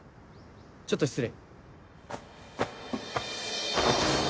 ちょっと失礼。